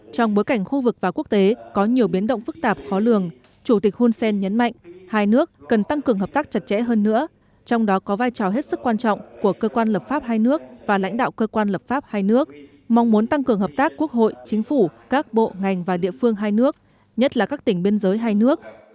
trong bối cảnh khu vực và quốc tế có nhiều biến động phức tạp khó lường chủ tịch hun sen nhấn mạnh hai nước cần tăng cường hợp tác chặt chẽ hơn nữa trong đó có vai trò hết sức quan trọng của cơ quan lập pháp hai nước và lãnh đạo cơ quan lập pháp hai nước mong muốn tăng cường hợp tác quốc hội chính phủ các bộ ngành và địa phương hai nước nhất là các tỉnh biên giới hai nước